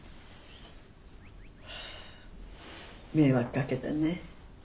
迷惑かけたね。